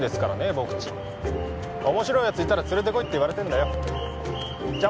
僕ちん面白いやついたら連れてこいって言われてんだよじゃ